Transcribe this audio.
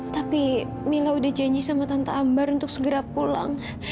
tapi mila udah janji sama tante ambar untuk segera pulang